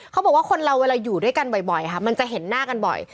เขาบอกว่าคนเราเวลาอยู่ด้วยกันบ่อยค่ะมันจะเห็นหน้ากันบ่อย